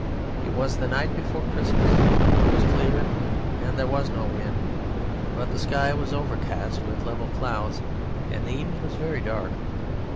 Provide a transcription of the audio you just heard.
It was the night before Christmas. It was clear, and there was no wind, but the sky was overcast with level clouds and the evening was very dark.